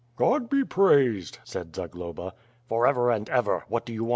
"God be praised," said Zagloba. "For ever and ever. What do you want?"